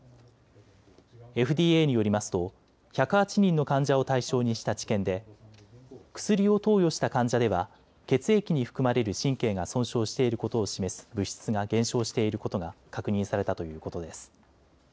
ＦＤＡによりますと１０８人の患者を対象にした治験で薬を投与した患者では血液に含まれる神経が損傷していることを示す物質が減少していることが確認されたということです。